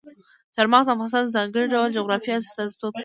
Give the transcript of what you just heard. چار مغز د افغانستان د ځانګړي ډول جغرافیه استازیتوب کوي.